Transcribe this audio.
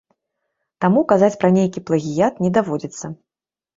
Таму казаць пра нейкі плагіят не даводзіцца.